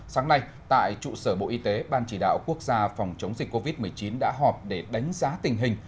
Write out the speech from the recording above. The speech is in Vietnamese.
sáng nay tại trụ sở bộ y tế ban chỉ đạo quốc gia phòng chống dịch covid một mươi chín đã họp để đánh giá tình hình